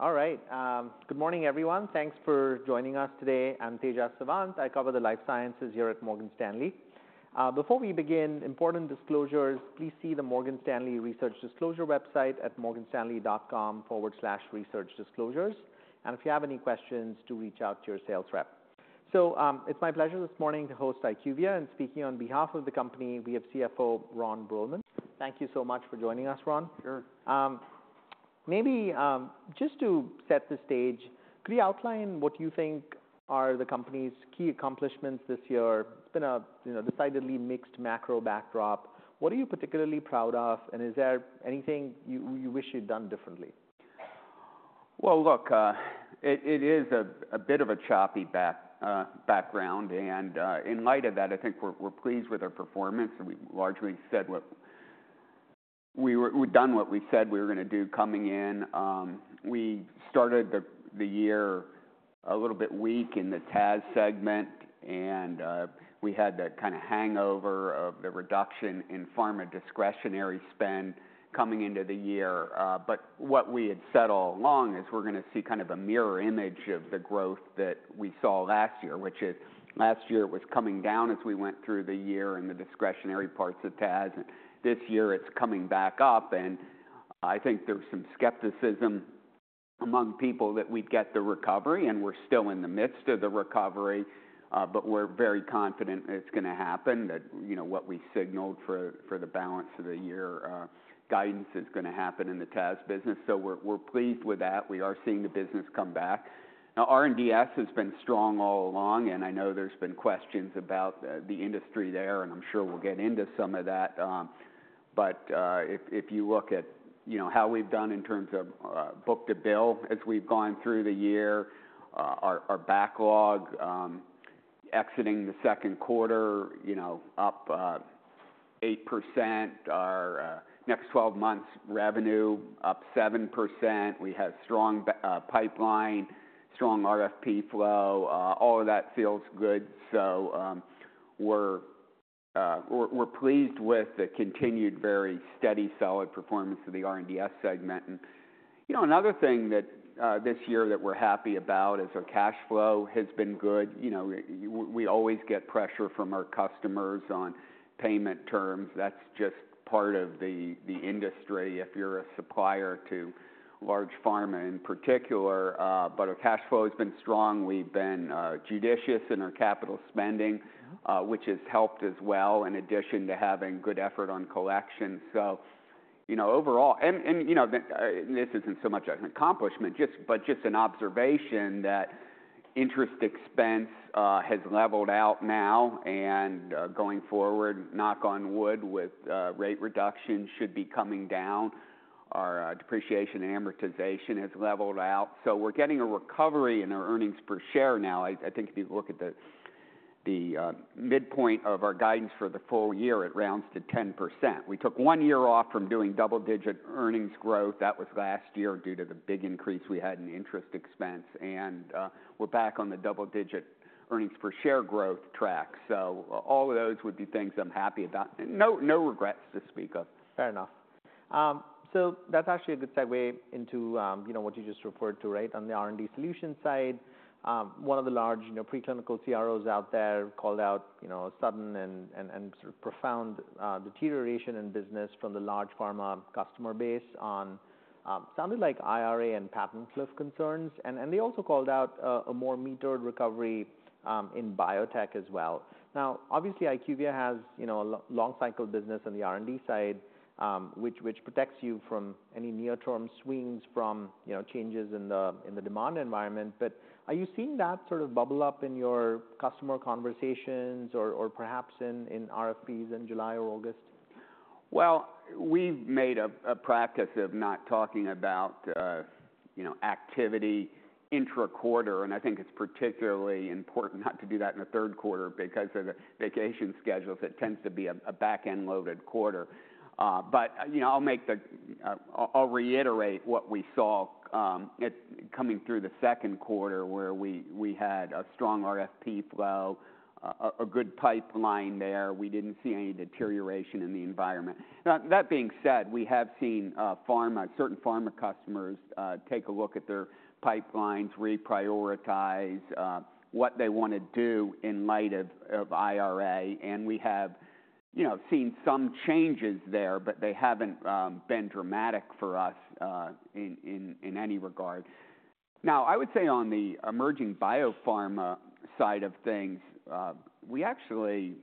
All right. Good morning, everyone. Thanks for joining us today. I'm Tejas Savant. I cover the life sciences here at Morgan Stanley. Before we begin, important disclosures, please see the Morgan Stanley Research Disclosure website at morganstanley.com/researchdisclosures, and if you have any questions, do reach out to your sales rep, so it's my pleasure this morning to host IQVIA, and speaking on behalf of the company, we have CFO Ron Bruehlman. Thank you so much for joining us, Ron. Sure. Just to set the stage, could you outline what you think are the company's key accomplishments this year? It's been a, you know, decidedly mixed macro backdrop. What are you particularly proud of, and is there anything you wish you'd done differently? Well, look, it is a bit of a choppy background, and in light of that, I think we're pleased with our performance, and we've largely done what we said we were gonna do coming in. We started the year a little bit weak in the TAS segment, and we had the kind of hangover of the reduction in pharma discretionary spend coming into the year. But what we had said all along is we're gonna see kind of a mirror image of the growth that we saw last year, which is last year it was coming down as we went through the year in the discretionary parts of TAS. This year, it's coming back up, and I think there was some skepticism among people that we'd get the recovery, and we're still in the midst of the recovery, but we're very confident it's gonna happen, that, you know, what we signaled for, for the balance of the year, guidance is gonna happen in the TAS business, so we're pleased with that. We are seeing the business come back. Now, R&DS has been strong all along, and I know there's been questions about the industry there, and I'm sure we'll get into some of that, but if you look at, you know, how we've done in terms of book-to-bill as we've gone through the year, our backlog exiting the second quarter, you know, up 8%, our next twelve months revenue up 7%. We have strong pipeline, strong RFP flow, all of that feels good. So, we're pleased with the continued, very steady, solid performance of the R&DS segment. And, you know, another thing that this year that we're happy about is our cash flow has been good. You know, we always get pressure from our customers on payment terms. That's just part of the industry if you're a supplier to large pharma in particular, but our cash flow has been strong. We've been judicious in our capital spending, which has helped as well, in addition to having good effort on collection. So, you know, overall... You know, this isn't so much an accomplishment, but just an observation that interest expense has leveled out now, and going forward, knock on wood, with rate reduction, should be coming down. Our depreciation and amortization has leveled out, so we're getting a recovery in our earnings per share now. I think if you look at the midpoint of our guidance for the full year, it rounds to 10%. We took one year off from doing double-digit earnings growth. That was last year, due to the big increase we had in interest expense, and we're back on the double-digit earnings per share growth track. So all of those would be things I'm happy about. No regrets to speak of. Fair enough. So that's actually a good segue into, you know, what you just referred to, right? On the R&D solution side, one of the large, you know, preclinical CROs out there called out, you know, a sudden and sort of profound deterioration in business from the large pharma customer base on sounded like IRA and patent cliff concerns. And they also called out a more metered recovery in biotech as well. Now, obviously, IQVIA has, you know, a long cycle business on the R&D side, which protects you from any near-term swings from, you know, changes in the demand environment. But are you seeing that sort of bubble up in your customer conversations or perhaps in RFPs in July or August? Well, we've made a practice of not talking about, you know, activity intraquarter, and I think it's particularly important not to do that in the third quarter because of the vacation schedules. It tends to be a back-end loaded quarter. But, you know, I'll make the... I'll reiterate what we saw coming through the second quarter, where we had a strong RFP flow, a good pipeline there. We didn't see any deterioration in the environment. Now, that being said, we have seen, pharma, certain pharma customers, take a look at their pipelines, reprioritize, what they want to do in light of IRA, and we have, you know, seen some changes there, but they haven't been dramatic for us, in any regard. Now, I would say on the emerging biopharma side of things, we actually,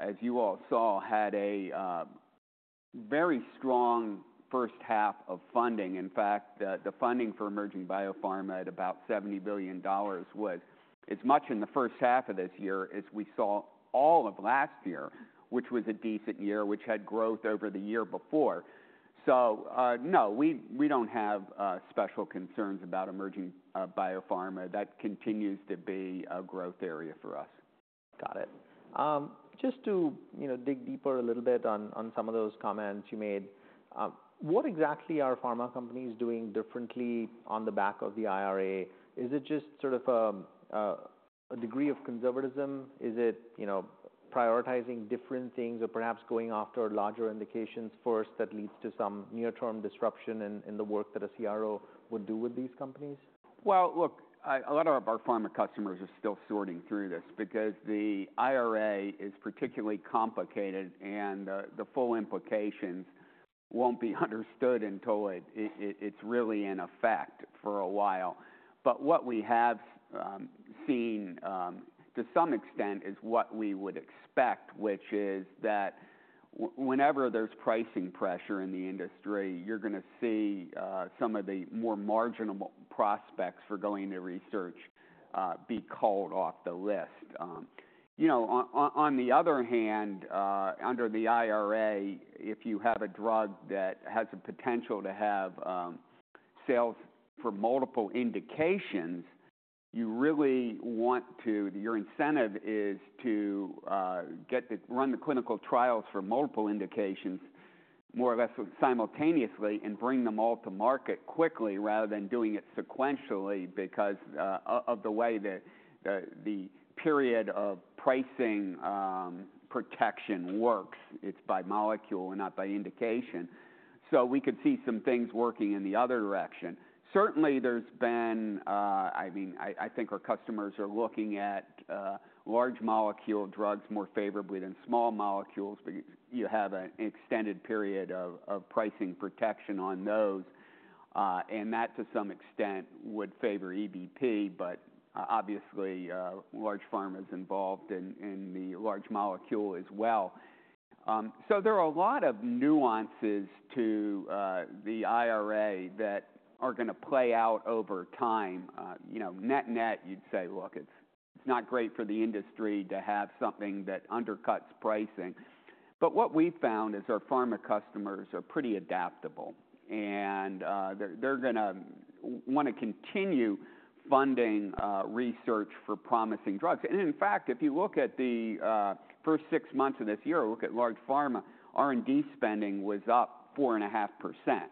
as you all saw, had a very strong first half of funding. In fact, the funding for emerging biopharma at about $70 billion was as much in the first half of this year as we saw all of last year, which was a decent year, which had growth over the year before. So, no, we don't have special concerns about emerging biopharma. That continues to be a growth area for us. Got it. Just to, you know, dig deeper a little bit on some of those comments you made, what exactly are pharma companies doing differently on the back of the IRA? Is it just sort of a degree of conservatism? Is it, you know, prioritizing different things or perhaps going after larger indications first that leads to some near-term disruption in the work that a CRO would do with these companies? Look, a lot of our pharma customers are still sorting through this because the IRA is particularly complicated, and the full implications won't be understood until it's really in effect for a while. But what we have seen to some extent is what we would expect, which is that whenever there's pricing pressure in the industry, you're gonna see some of the more marginal prospects for going to research be called off the list. You know, on the other hand, under the IRA, if you have a drug that has the potential to have sales for multiple indications, you really want to... Your incentive is to get to run the clinical trials for multiple indications more or less simultaneously and bring them all to market quickly, rather than doing it sequentially because of the way that the period of pricing protection works. It's by molecule and not by indication. So we could see some things working in the other direction. Certainly, there's been. I mean, I think our customers are looking at large molecule drugs more favorably than small molecules. You have an extended period of pricing protection on those, and that, to some extent, would favor EBP, but obviously, large pharma is involved in the large molecule as well. So there are a lot of nuances to the IRA that are gonna play out over time. You know, net-net, you'd say, "Look, it's not great for the industry to have something that undercuts pricing." But what we've found is our pharma customers are pretty adaptable, and they're gonna wanna continue funding research for promising drugs. And in fact, if you look at the first six months of this year, look at large pharma, R&D spending was up 4.5%.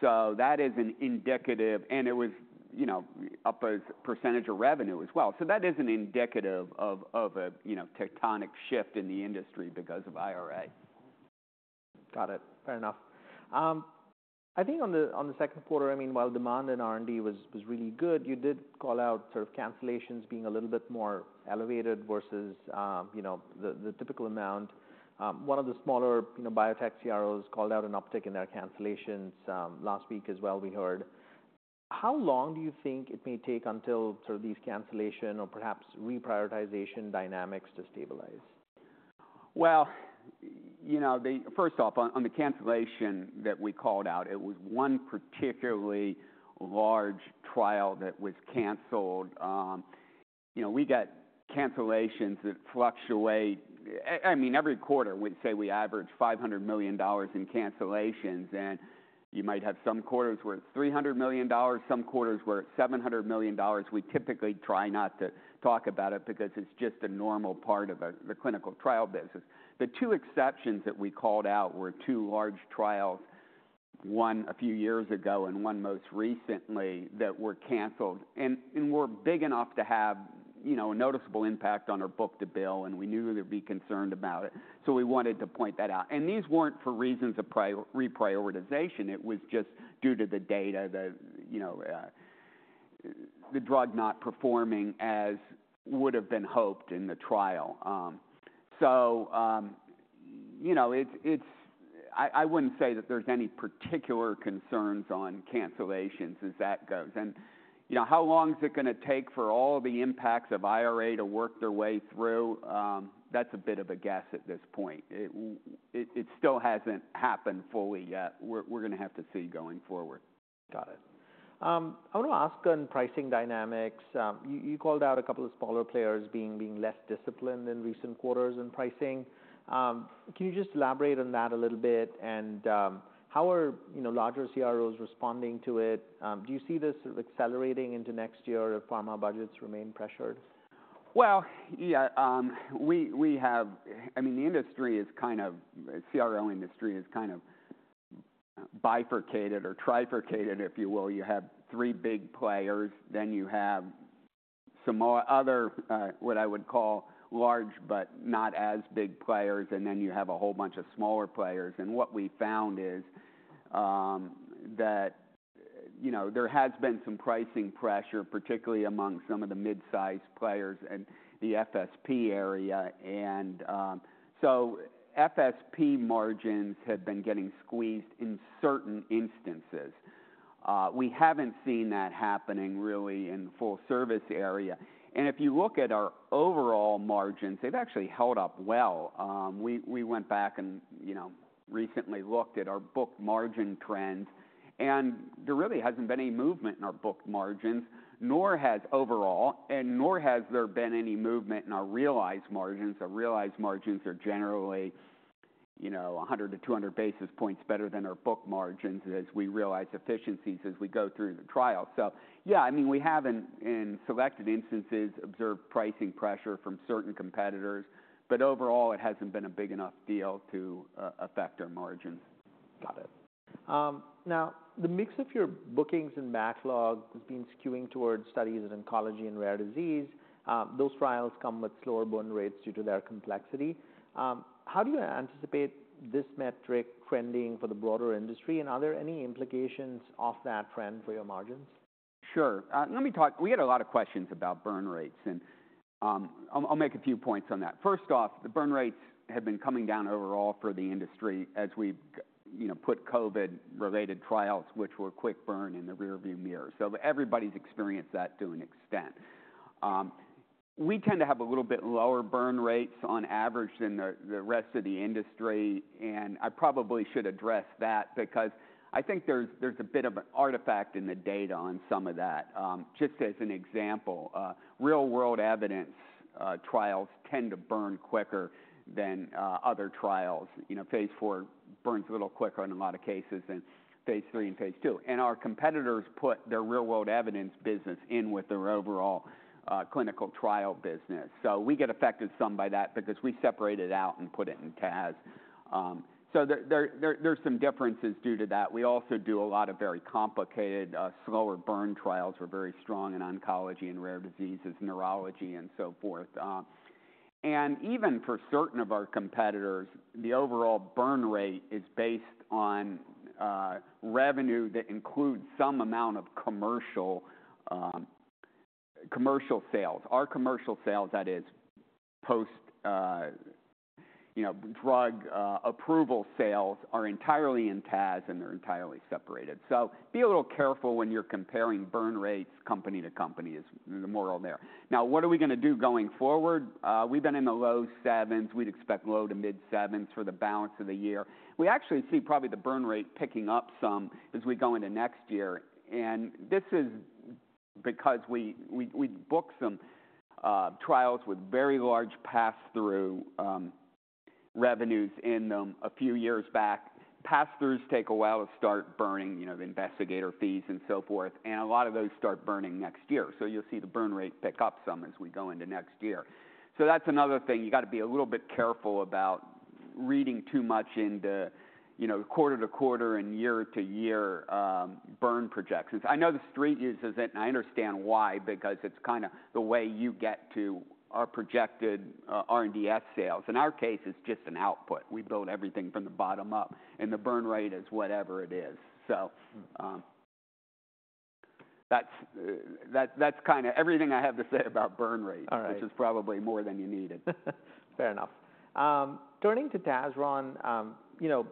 So that is indicative, and it was, you know, up as percentage of revenue as well. So that isn't indicative of a you know, tectonic shift in the industry because of IRA. Got it. Fair enough. I think on the second quarter, I mean, while demand in R&D was really good, you did call out sort of cancellations being a little bit more elevated versus you know the typical amount. One of the smaller you know biotech CROs called out an uptick in their cancellations last week as well, we heard. How long do you think it may take until sort of these cancellation or perhaps reprioritization dynamics to stabilize? You know, the first off, on the cancellation that we called out, it was one particularly large trial that was canceled. You know, we get cancellations that fluctuate. I mean, every quarter, we'd say we average $500 million in cancellations, and you might have some quarters where it's $300 million, some quarters where it's $700 million. We typically try not to talk about it because it's just a normal part of the clinical trial business. The two exceptions that we called out were two large trials, one a few years ago and one most recently, that were canceled and were big enough to have, you know, a noticeable impact on our book-to-bill, and we knew you'd be concerned about it, so we wanted to point that out, and these weren't for reasons of reprioritization. It was just due to the data that, you know, the drug not performing as would've been hoped in the trial. So, you know, it's. I wouldn't say that there's any particular concerns on cancellations as that goes. And, you know, how long is it gonna take for all the impacts of IRA to work their way through? That's a bit of a guess at this point. It still hasn't happened fully yet. We're gonna have to see going forward. Got it. I wanna ask on pricing dynamics, you called out a couple of smaller players being less disciplined in recent quarters in pricing. Can you just elaborate on that a little bit? And how are, you know, larger CROs responding to it? Do you see this sort of accelerating into next year if pharma budgets remain pressured? The industry is kind of, the CRO industry is kind of bifurcated or trifurcated, if you will. You have three big players, then you have some more other, what I would call large, but not as big players, and then you have a whole bunch of smaller players. And what we found is, that, you know, there has been some pricing pressure, particularly among some of the mid-sized players and the FSP area, and, so FSP margins have been getting squeezed in certain instances. We haven't seen that happening really in the full service area. And if you look at our overall margins, they've actually held up well. We went back and, you know, recently looked at our book margin trends, and there really hasn't been any movement in our book margins, nor has there been any movement overall, nor has there been any movement in our realized margins. Our realized margins are generally, you know, a hundred to two hundred basis points better than our book margins as we realize efficiencies as we go through the trial. So yeah, I mean, we have in selected instances observed pricing pressure from certain competitors, but overall, it hasn't been a big enough deal to affect our margins. Got it. Now, the mix of your bookings and backlog has been skewing towards studies in oncology and rare disease. Those trials come with slower burn rates due to their complexity. How do you anticipate this metric trending for the broader industry, and are there any implications of that trend for your margins? Sure. We get a lot of questions about burn rates, and I'll make a few points on that. First off, the burn rates have been coming down overall for the industry as we've, you know, put COVID-related trials, which were quick burn, in the rearview mirror, so everybody's experienced that to an extent. We tend to have a little bit lower burn rates on average than the rest of the industry, and I probably should address that because I think there's a bit of an artifact in the data on some of that. Just as an example, real-world evidence trials tend to burn quicker than other trials. You know, phase four burns a little quicker in a lot of cases than phase three and phase two. And our competitors put their real-world evidence business in with their overall clinical trial business. So we get affected some by that because we separate it out and put it in TAS. So there's some differences due to that. We also do a lot of very complicated slower burn trials. We're very strong in oncology and rare diseases, neurology, and so forth. And even for certain of our competitors, the overall burn rate is based on revenue that includes some amount of commercial sales. Our commercial sales, that is post you know drug approval sales, are entirely in TAS, and they're entirely separated. So be a little careful when you're comparing burn rates company to company is the moral there. Now, what are we gonna do going forward? We've been in the low sevens. We'd expect low to mid sevens for the balance of the year. We actually see probably the burn rate picking up some as we go into next year, and this is because we booked some trials with very large passthrough revenues in them a few years back. Passthroughs take a while to start burning, you know, the investigator fees and so forth, and a lot of those start burning next year. So you'll see the burn rate pick up some as we go into next year. So that's another thing. You got to be a little bit careful about reading too much into, you know, quarter-to-quarter and year-to-year burn projections. I know the Street uses it, and I understand why, because it's kind of the way you get to our projected R&DS sales. In our case, it's just an output. We build everything from the bottom up, and the burn rate is whatever it is. So, that's kind of everything I have to say about burn rate. All right. Which is probably more than you needed. Fair enough. Turning to TAS, Ron, you know,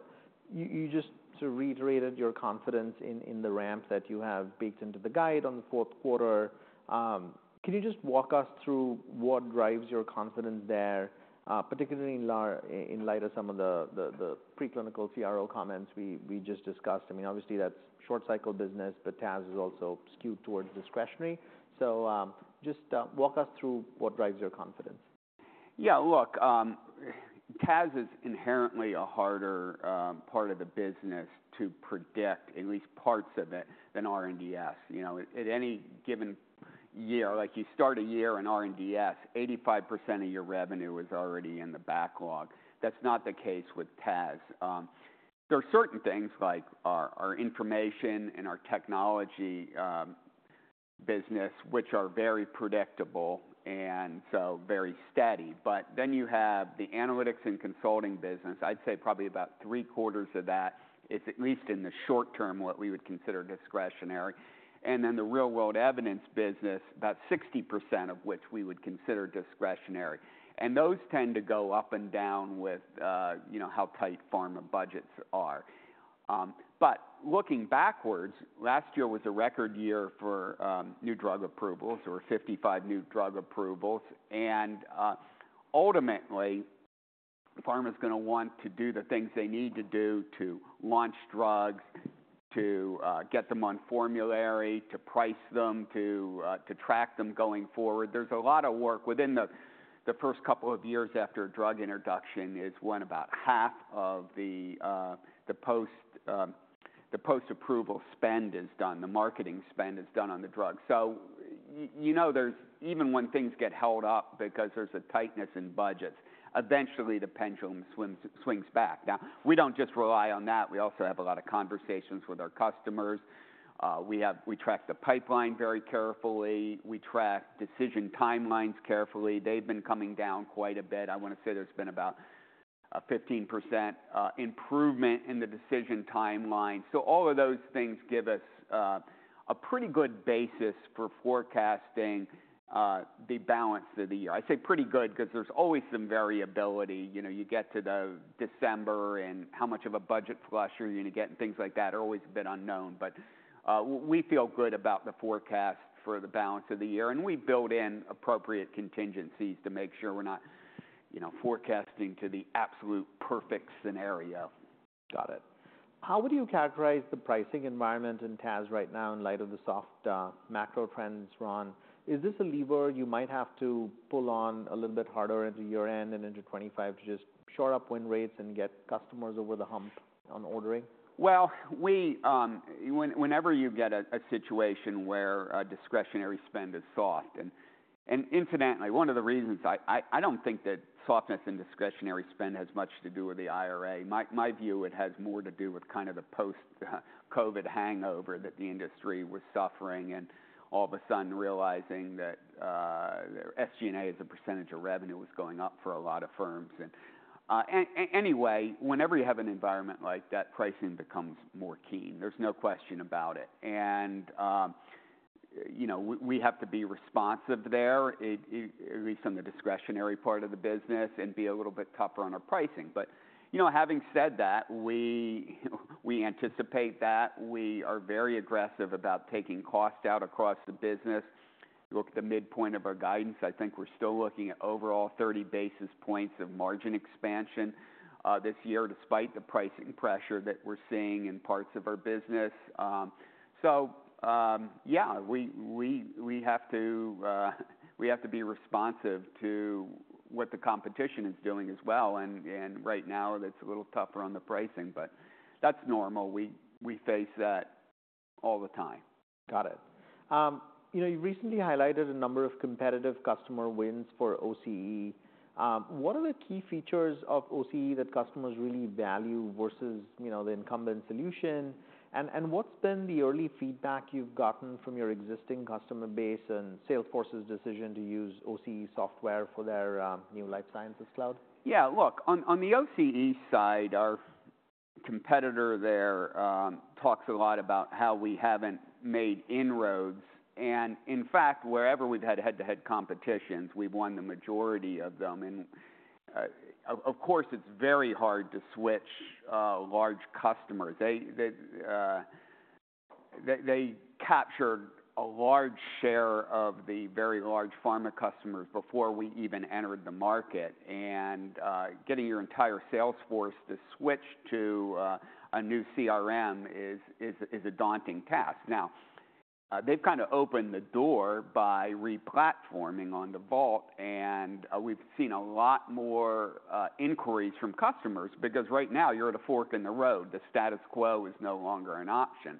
you just sort of reiterated your confidence in the ramp that you have baked into the guide on the fourth quarter. Can you just walk us through what drives your confidence there, particularly in light of some of the preclinical CRO comments we just discussed? I mean, obviously, that's short-cycle business, but TAS is also skewed towards discretionary. So, just walk us through what drives your confidence. Yeah, look, TAS is inherently a harder part of the business to predict, at least parts of it, than R&DS. You know, at any given year, like, you start a year in R&DS, 85% of your revenue is already in the backlog. That's not the case with TAS. There are certain things like our information and our technology business, which are very predictable and so very steady. But then you have the analytics and consulting business. I'd say probably about three-quarters of that is, at least in the short term, what we would consider discretionary. And then the real-world evidence business, about 60% of which we would consider discretionary. And those tend to go up and down with, you know, how tight pharma budgets are. But looking backwards, last year was a record year for new drug approvals. There were 55 new drug approvals, and ultimately, pharma's gonna want to do the things they need to do to launch drugs, to get them on formulary, to price them, to track them going forward. There's a lot of work within the first couple of years after a drug introduction is when about half of the post-approval spend is done, the marketing spend is done on the drug. So you know, there's even when things get held up because there's a tightness in budgets, eventually the pendulum swings back. Now, we don't just rely on that. We also have a lot of conversations with our customers. We track the pipeline very carefully. We track decision timelines carefully. They've been coming down quite a bit. I want to say there's been about a 15% improvement in the decision timeline. So all of those things give us a pretty good basis for forecasting the balance of the year. I say pretty good because there's always some variability. You know, you get to the December, and how much of a budget flush are you gonna get, and things like that are always a bit unknown. But we feel good about the forecast for the balance of the year, and we build in appropriate contingencies to make sure we're not, you know, forecasting to the absolute perfect scenario. Got it. How would you characterize the pricing environment in TAS right now in light of the soft, macro trends, Ron? Is this a lever you might have to pull on a little bit harder into year-end and into 'twenty-five to just shore up win rates and get customers over the hump on ordering? Whenever you get a situation where a discretionary spend is soft, and incidentally, one of the reasons I don't think that softness in discretionary spend has much to do with the IRA. My view, it has more to do with kind of the post-COVID hangover that the industry was suffering, and all of a sudden realizing that their SG&A as a percentage of revenue was going up for a lot of firms. Anyway, whenever you have an environment like that, pricing becomes more keen. There's no question about it. You know, we have to be responsive there, at least on the discretionary part of the business, and be a little bit tougher on our pricing. You know, having said that, we anticipate that. We are very aggressive about taking costs out across the business. You look at the midpoint of our guidance. I think we're still looking at overall thirty basis points of margin expansion this year, despite the pricing pressure that we're seeing in parts of our business. So we have to be responsive to what the competition is doing as well. And right now that's a little tougher on the pricing, but that's normal. We face that all the time. Got it. You know, you recently highlighted a number of competitive customer wins for OCE. What are the key features of OCE that customers really value versus, you know, the incumbent solution? And what's been the early feedback you've gotten from your existing customer base and Salesforce's decision to use OCE software for their new Life Sciences Cloud? Yeah, look, on the OCE side, our competitor there talks a lot about how we haven't made inroads. And in fact, wherever we've had head-to-head competitions, we've won the majority of them. And, of course, it's very hard to switch large customers. They captured a large share of the very large pharma customers before we even entered the market. And, getting your entire sales force to switch to a new CRM is a daunting task. Now, they've kind of opened the door by re-platforming on the Vault, and, we've seen a lot more inquiries from customers, because right now you're at a fork in the road. The status quo is no longer an option.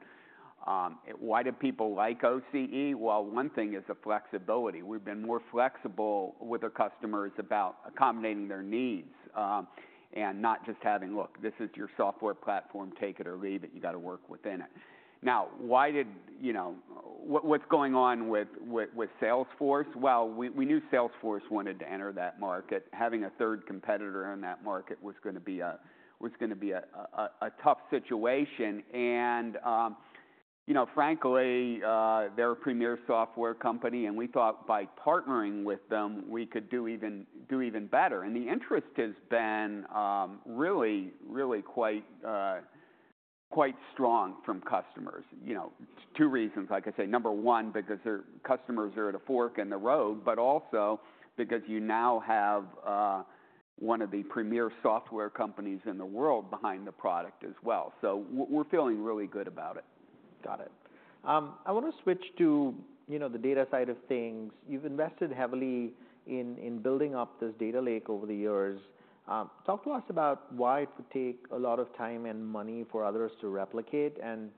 Why do people like OCE? Well, one thing is the flexibility. We've been more flexible with our customers about accommodating their needs, and not just having, "Look, this is your software platform. Take it or leave it, you got to work within it." Now, why, you know, what's going on with Salesforce? Well, we knew Salesforce wanted to enter that market. Having a third competitor in that market was gonna be a tough situation, and you know, frankly, they're a premier software company, and we thought by partnering with them, we could do even better, and the interest has been really quite strong from customers. You know, two reasons, like I say, number one, because their customers are at a fork in the road, but also because you now have one of the premier software companies in the world behind the product as well. So we're feeling really good about it. Got it. I want to switch to, you know, the data side of things. You've invested heavily in building up this data lake over the years. Talk to us about why it would take a lot of time and money for others to replicate. And,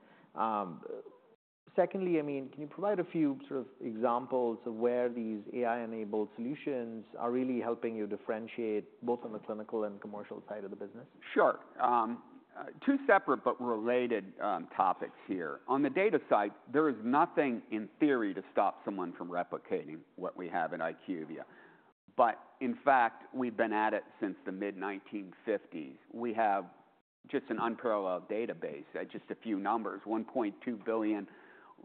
secondly, I mean, can you provide a few sort of examples of where these AI-enabled solutions are really helping you differentiate, both on the clinical and commercial side of the business? Sure. Two separate but related topics here. On the data side, there is nothing in theory to stop someone from replicating what we have in IQVIA, but in fact, we've been at it since the mid-1950s. We have just an unparalleled database. Just a few numbers, 1.2 billion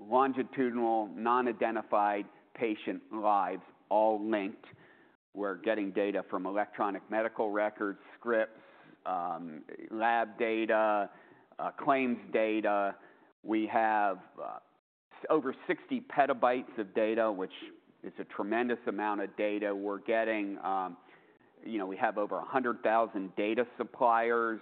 longitudinal, non-identified patient lives, all linked. We're getting data from electronic medical records, scripts, lab data, claims data. We have over 60 petabytes of data, which is a tremendous amount of data. You know, we have over 100,000 data suppliers.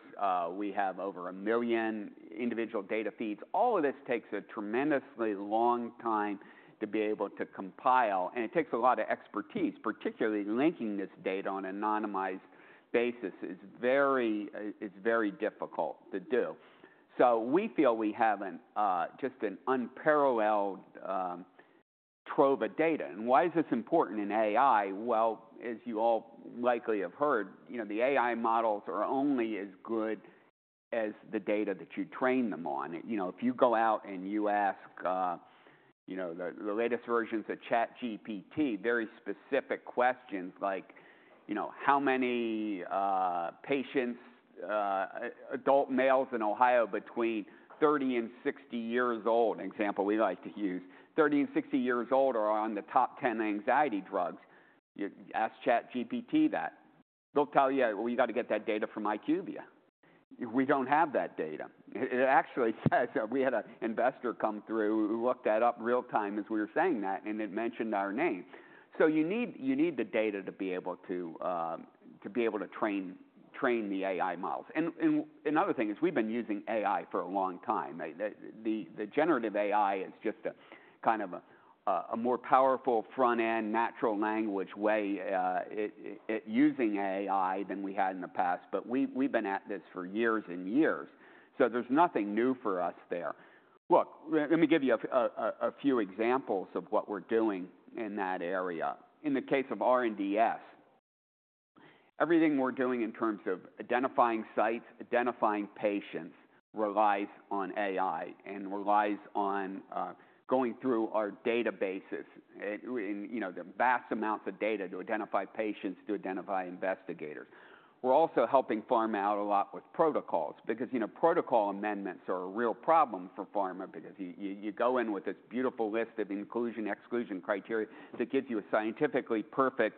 We have over 1 million individual data feeds. All of this takes a tremendously long time to be able to compile, and it takes a lot of expertise, particularly linking this data on an anonymized basis is very, it's very difficult to do. So we feel we have an unparalleled trove of data. Why is this important in AI? Well, as you all likely have heard, you know, the AI models are only as good as the data that you train them on. You know, if you go out and you ask you know the latest versions of ChatGPT very specific questions like you know how many patients adult males in Ohio between 30 and 60 years old, an example we like to use, 30 and 60 years old, are on the top 10 anxiety drugs? You ask ChatGPT that. They'll tell you, "Well, you got to get that data from IQVIA. We don't have that data." It actually says we had an investor come through who looked that up real time as we were saying that, and it mentioned our name. So you need the data to be able to train the AI models. And another thing is we've been using AI for a long time, right? The generative AI is just a kind of a more powerful front-end natural language way using AI than we had in the past, but we've been at this for years and years, so there's nothing new for us there. Look, let me give you a few examples of what we're doing in that area. In the case of R&DS, everything we're doing in terms of identifying sites, identifying patients, relies on AI and relies on going through our databases, and, you know, the vast amounts of data to identify patients, to identify investigators. We're also helping pharma out a lot with protocols because, you know, protocol amendments are a real problem for pharma because you go in with this beautiful list of inclusion, exclusion criteria that gives you a scientifically perfect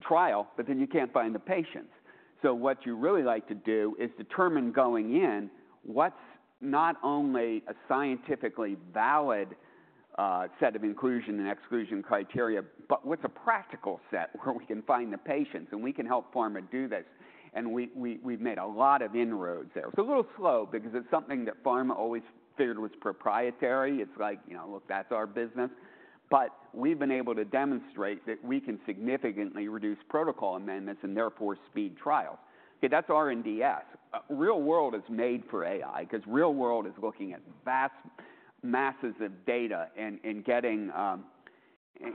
trial, but then you can't find the patients. So what you really like to do is determine going in, what's not only a scientifically valid set of inclusion and exclusion criteria, but what's a practical set where we can find the patients? And we can help pharma do this, and we've made a lot of inroads there. It's a little slow because it's something that pharma always figured was proprietary. It's like, you know, "Look, that's our business." But we've been able to demonstrate that we can significantly reduce protocol amendments and therefore speed trials. Okay, that's R&DS. Real world is made for AI 'cause real world is looking at vast masses of data and getting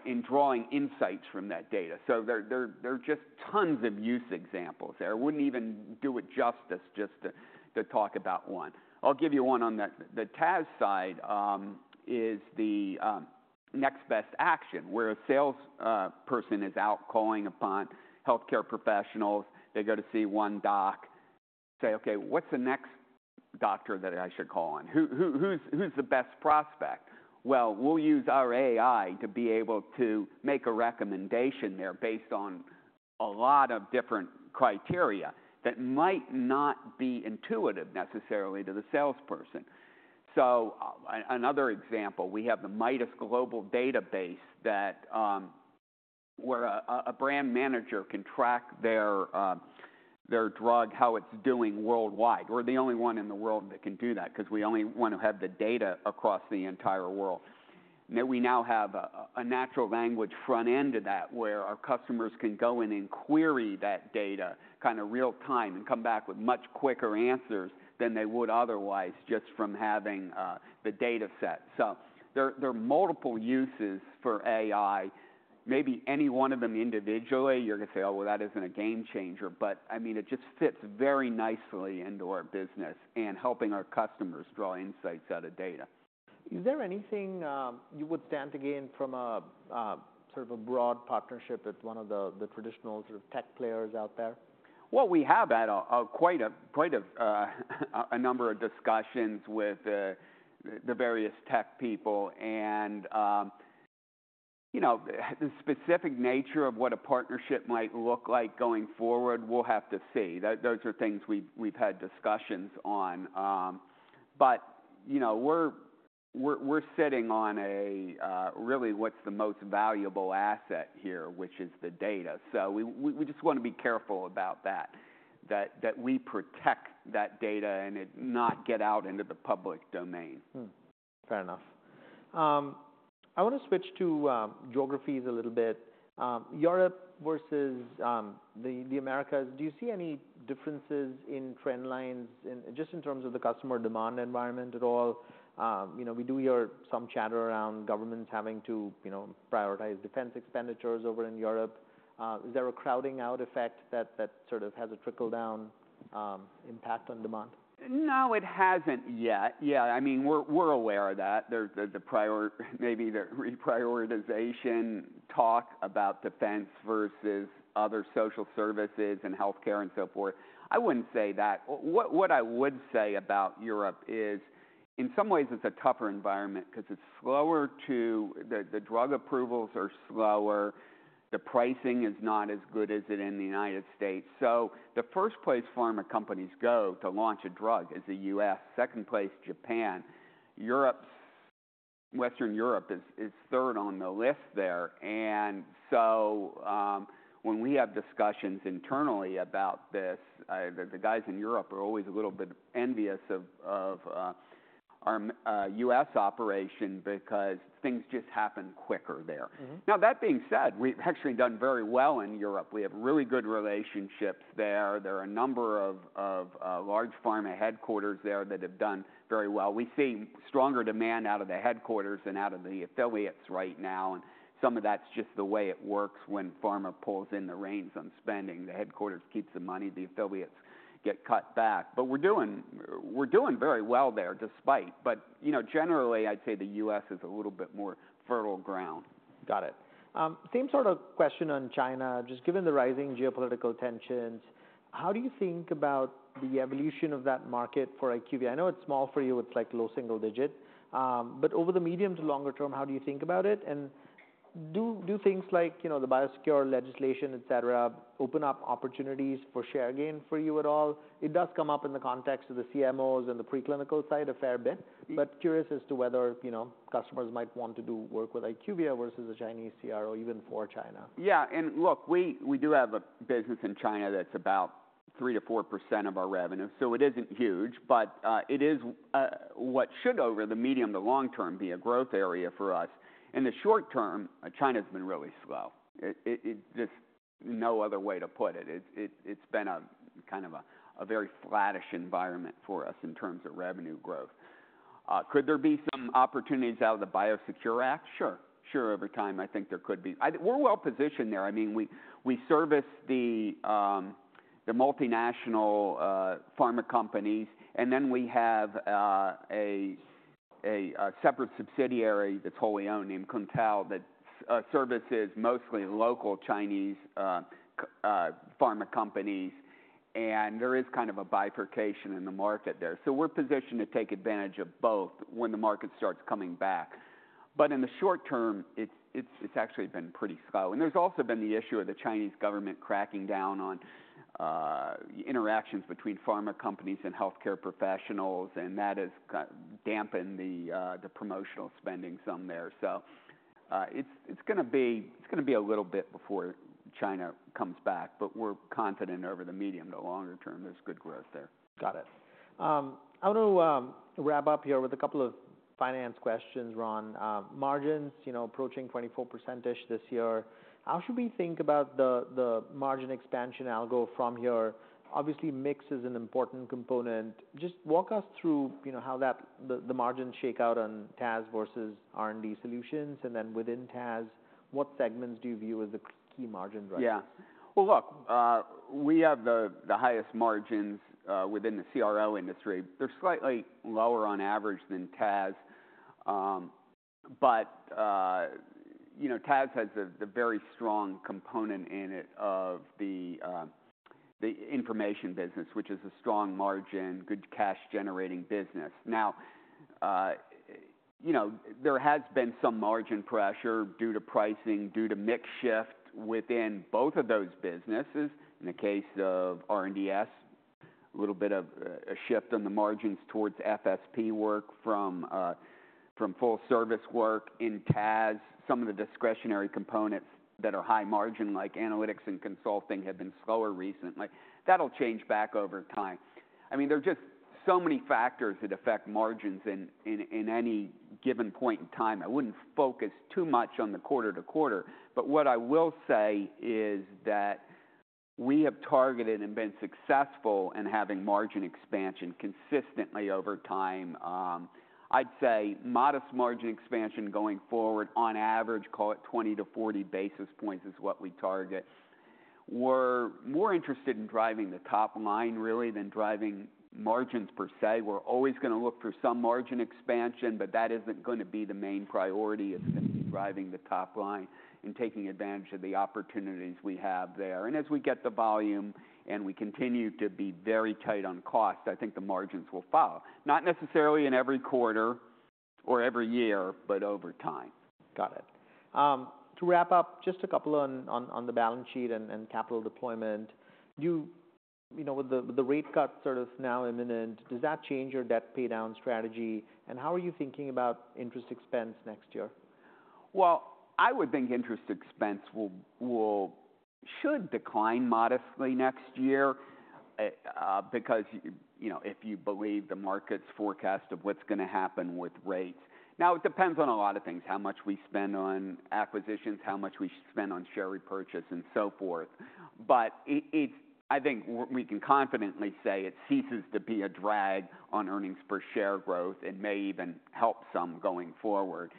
and drawing insights from that data. So there are just tons of use examples there. I wouldn't even do it justice just to talk about one. I'll give you one on the TAS side, the Next Best Action, where a sales person is out calling upon healthcare professionals. They go to see one doc, say, "Okay, what's the next doctor that I should call on? Who's the best prospect?" Well, we'll use our AI to be able to make a recommendation there based on a lot of different criteria that might not be intuitive necessarily to the salesperson. So another example, we have the MIDAS Global Database that... where a brand manager can track their drug, how it's doing worldwide. We're the only one in the world that can do that 'cause we only want to have the data across the entire world. And then we now have a natural language front end to that, where our customers can go in and query that data kind of real time and come back with much quicker answers than they would otherwise, just from having the data set. So there are multiple uses for AI. Maybe any one of them individually, you're gonna say, "Oh, well, that isn't a game changer." But I mean, it just fits very nicely into our business and helping our customers draw insights out of data. Is there anything you would stand to gain from a sort of broad partnership with one of the traditional sort of tech players out there? We have had quite a number of discussions with the various tech people and you know the specific nature of what a partnership might look like going forward, we'll have to see. Those are things we've had discussions on. But you know we're sitting on a really what's the most valuable asset here, which is the data. So we just wanna be careful about that we protect that data and it not get out into the public domain. Fair enough. I wanna switch to geographies a little bit. Europe versus the Americas. Do you see any differences in trend lines, just in terms of the customer demand environment at all? You know, we do hear some chatter around governments having to, you know, prioritize defense expenditures over in Europe. Is there a crowding out effect that sort of has a trickle-down impact on demand? No, it hasn't yet. Yeah, I mean, we're aware of that. Maybe the reprioritization talk about defense versus other social services and healthcare and so forth, I wouldn't say that. What I would say about Europe is, in some ways it's a tougher environment because it's slower to... The drug approvals are slower, the pricing is not as good as it is in the United States. So the first place pharma companies go to launch a drug is the U.S., second place, Japan. Europe, Western Europe is third on the list there. And so, when we have discussions internally about this, the guys in Europe are always a little bit envious of our U.S. operation because things just happen quicker there. Mm-hmm. Now, that being said, we've actually done very well in Europe. We have really good relationships there. There are a number of large pharma headquarters there that have done very well. We see stronger demand out of the headquarters than out of the affiliates right now, and some of that's just the way it works when pharma pulls in the reins on spending. The headquarters keeps the money, the affiliates get cut back. But we're doing very well there, despite. But, you know, generally, I'd say the U.S. is a little bit more fertile ground. Got it. Same sort of question on China. Just given the rising geopolitical tensions, how do you think about the evolution of that market for IQVIA? I know it's small for you, it's like low single digit, but over the medium to longer term, how do you think about it? Do things like, you know, the Biosecure legislation, etc., open up opportunities for share gain for you at all? It does come up in the context of the CMOs and the preclinical side a fair bit, but curious as to whether, you know, customers might want to do work with IQVIA versus a Chinese CRO, even for China. Yeah, and look, we do have a business in China that's about 3-4% of our revenue, so it isn't huge, but it is what should, over the medium to long term, be a growth area for us. In the short term, China's been really slow. There's no other way to put it. It's been kind of a very flattish environment for us in terms of revenue growth. Could there be some opportunities out of the Biosecure Act? Sure. Sure, over time, I think there could be. We're well positioned there. I mean, we service the multinational pharma companies, and then we have a separate subsidiary that's wholly owned, named Kun Tuo, that services mostly local Chinese pharma companies, and there is kind of a bifurcation in the market there. So we're positioned to take advantage of both when the market starts coming back. But in the short term, it's actually been pretty slow. And there's also been the issue of the Chinese government cracking down on interactions between pharma companies and healthcare professionals, and that has dampened the promotional spending some there. So it's gonna be a little bit before China comes back, but we're confident over the medium to longer term, there's good growth there. Got it. I want to wrap up here with a couple of finance questions, Ron. Margins, you know, approaching 24%-ish this year. How should we think about the margin expansion algo from here? Obviously, mix is an important component. Just walk us through, you know, how that the margins shake out on TAS versus R&D Solutions, and then within TAS, what segments do you view as the key margin drivers? Yeah. Well, look, we have the highest margins within the CRO industry. They're slightly lower on average than TAS, but, you know, TAS has a very strong component in it of the information business, which is a strong margin, good cash-generating business. Now, you know, there has been some margin pressure due to pricing, due to mix shift within both of those businesses. In the case of R&DS, a little bit of a shift in the margins towards FSP work from full service work in TAS. Some of the discretionary components that are high margin, like analytics and consulting, have been slower recently. That'll change back over time. I mean, there are just so many factors that affect margins in any given point in time. I wouldn't focus too much on the quarter to quarter, but what I will say is that we have targeted and been successful in having margin expansion consistently over time. I'd say modest margin expansion going forward on average, call it 20-40 basis points, is what we target. We're more interested in driving the top line, really, than driving margins per se. We're always gonna look for some margin expansion, but that isn't gonna be the main priority. It's driving the top line and taking advantage of the opportunities we have there, and as we get the volume and we continue to be very tight on cost, I think the margins will follow. Not necessarily in every quarter or every year, but over time. Got it. To wrap up, just a couple on the balance sheet and capital deployment. Do you... You know, with the rate cut sort of now imminent, does that change your debt paydown strategy, and how are you thinking about interest expense next year? I would think interest expense should decline modestly next year, because, you know, if you believe the market's forecast of what's gonna happen with rates. Now, it depends on a lot of things: how much we spend on acquisitions, how much we spend on share repurchase, and so forth. But I think we can confidently say it ceases to be a drag on earnings per share growth and may even help some going forward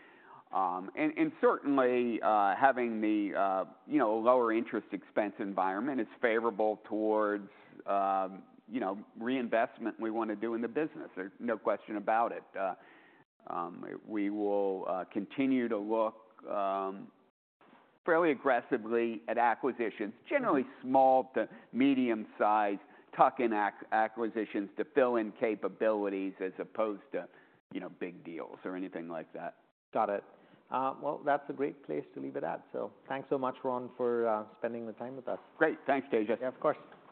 and certainly having the lower interest expense environment is favorable towards, you know, reinvestment we wanna do in the business. There's no question about it. We will continue to look fairly aggressively at acquisitions, generally small to medium-sized tuck-in acquisitions to fill in capabilities as opposed to, you know, big deals or anything like that. Got it. Well, that's a great place to leave it at. So thanks so much, Ron, for spending the time with us. Great. Thanks, Tejas. Yeah, of course.